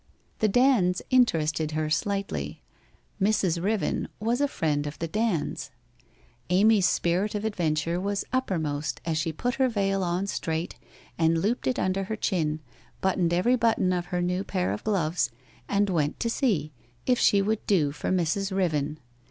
The Dands interested her slightly: Mrs. Riven was a friend of the Dands. Amy's spirit of adventure was upper most as she put her veil on straight and looped it under her chin, buttoned every button of a new pair of gloves, and went to see if she would do for Mrs. Riven.